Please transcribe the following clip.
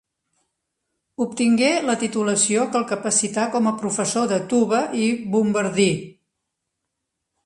Obtingué la titulació que el capacità com a professor de tuba i bombardí.